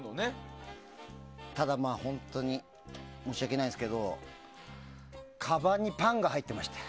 ただ、本当に申し訳ないですけどかばんにパンが入ってまして。